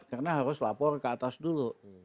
karena harus lapor ke atas dulu